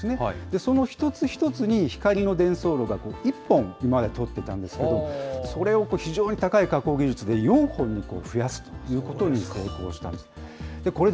その一つ一つに光の伝送路が１本、今まで通っていたんですけど、それを非常に高い加工技術で、４本に増やすということに成功したんです。